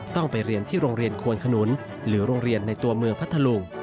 ต้องไปเรียนที่โรงเรียนควนขนุนหรือโรงเรียนในตัวเมืองพัทธลุง